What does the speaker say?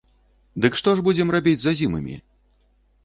Дык што ж будзем рабіць з азімымі?